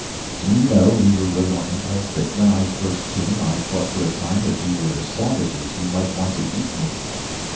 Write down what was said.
"Do you know," Weaver wrote, on impulse, "that when I first came, I thought for a time that you were savages who might want to eat Me?"